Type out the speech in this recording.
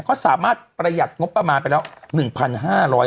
ก็สามารถประหยัดงบประมาณไปแล้ว๑๕๐๐บาท